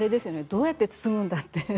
どうやって包むんだっていう。